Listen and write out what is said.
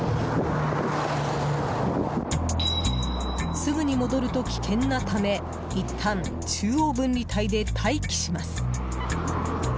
すぐに戻ると危険なためいったん中央分離帯で待機します。